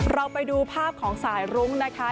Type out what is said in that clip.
เราไปดูภาพของสายรุ้งนะคะ